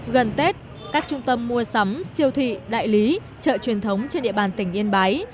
gần tết các trung tâm mua sắm siêu thị đại lý chợ truyền thống trên địa bàn tỉnh yên bái